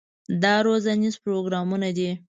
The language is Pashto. دا روزنیز پروګرامونه دي.